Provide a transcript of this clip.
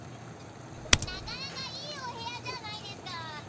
なかなかいいお部屋じゃないですか。